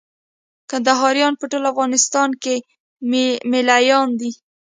کندهاريان په ټول افغانستان کښي مېله يان دي.